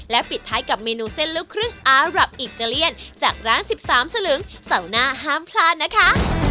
ปิดท้ายกับเมนูเส้นลูกครึ่งอารับอิตาเลียนจากร้าน๑๓สลึงเสาร์หน้าห้ามพลาดนะคะ